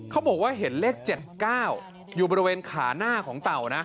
เขาบอกว่าเห็นเลข๗๙อยู่บริเวณขาหน้าของเต่านะ